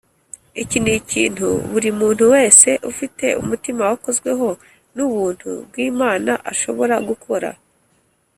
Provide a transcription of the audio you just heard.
iki ni ikintu buri muntu wese ufite umutima wakozweho n’ubuntu bw’imana ashobora gukora